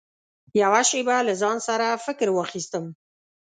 يوه شېبه له ځان سره فکر واخيستم .